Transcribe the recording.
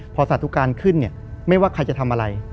พอสาธุการณ์ขึ้นเนี่ยไม่ว่าใครจะทำอะไร